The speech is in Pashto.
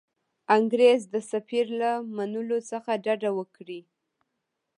انګرېز د سفیر له منلو څخه ډډه وکړي.